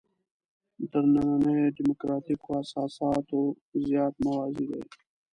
تر نننیو دیموکراتیکو اساساتو زیات موازي دي.